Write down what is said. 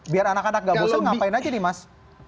biar anak anak gak bosan ngapain aja nih mas